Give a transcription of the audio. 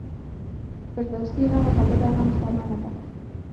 د فردوسي هغه خبره هم سمه نه ده.